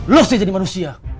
lu sih jadi manusia